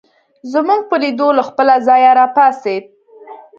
زموږ په لیدو له خپله ځایه راپاڅېد.